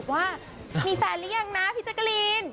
ว่ามีแฟนหรือยังนะพี่แจกรีน